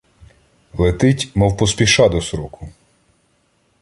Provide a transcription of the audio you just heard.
Летить, мов поспіша до сроку